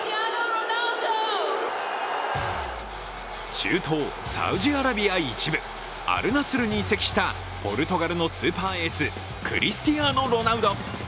中東サウジアラビア１部、アル・ナスルに移籍したポルトガルのスーパーエースクリスチアーノ・ロナウド。